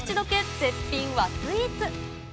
絶品和スイーツ。